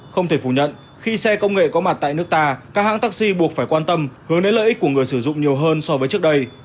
không thể phủ nhận khi xe công nghệ có mặt tại nước ta các hãng taxi buộc phải quan tâm hướng đến lợi ích của người sử dụng nhiều hơn so với trước đây